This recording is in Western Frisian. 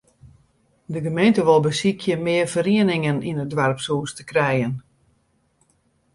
De gemeente wol besykje mear ferieningen yn it doarpshûs te krijen.